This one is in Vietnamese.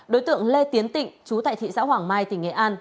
đối tượng lê tiến tịnh chú tại thị xã hoàng mai tỉnh nghệ an